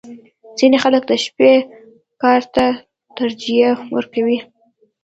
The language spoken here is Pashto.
• ځینې خلک د شپې کار ته ترجیح ورکوي.